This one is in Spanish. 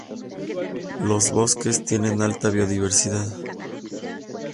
Los bosques tienen alta biodiversidad.